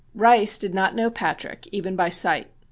Rice did not know Patrick even by sight.